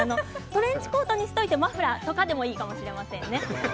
トレンチコートにしておいてマフラーでいいかもしれませんね。